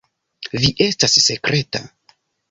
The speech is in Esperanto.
Vi estas sekreta.